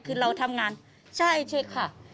คือเราทำงานใช่เช็คค่ะ